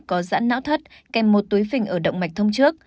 có giãn não thất kèm một túi phình ở động mạch thông trước